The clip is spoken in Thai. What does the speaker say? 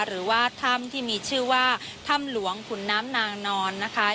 หรือว่าถ้ำที่มีชื่อว่าถ้ำหลวงขุนน้ำนางนอนนะคะ